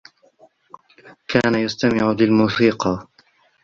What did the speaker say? كان يستمع للموسيقى.